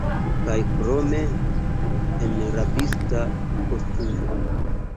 Kaj krome, en rabista kostumo!